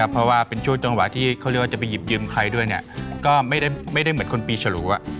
เพราะว่าเป็นช่วงจังหวะที่เขาเรียกว่าจะไปหยิบยืมใครด้วยก็ไม่ได้เหมือนคนปีฉลู